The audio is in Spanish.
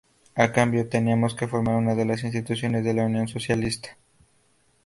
A cambio, teníamos que formar una de las instituciones de la Unión Socialista.